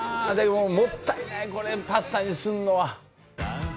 でももったいないこれパスタにするのは。